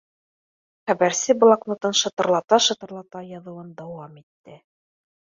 Хәбәрсе блокнотын шытырлата-шытырлата яҙыуын дауам итте